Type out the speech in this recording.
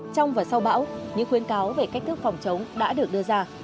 trong và sau bão những khuyến cáo về cách thức phòng chống đã được đưa ra